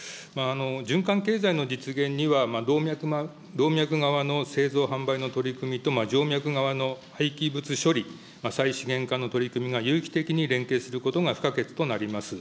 循環経済の実現には動脈側の製造販売の取り組みと静脈側の廃棄物処理、再資源化の取り組みが有機的に連携することが不可欠となります。